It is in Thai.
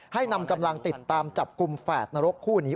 นำกำลังติดตามจับกลุ่มแฝดนรกคู่นี้